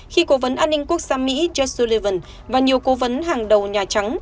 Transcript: khi cố vấn an ninh quốc gia mỹ jak sullivan và nhiều cố vấn hàng đầu nhà trắng